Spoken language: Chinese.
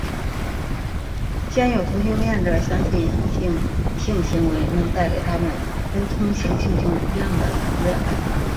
鲜有同性恋者相信异性性行为能带给他们跟同性性行为一样的愉悦感。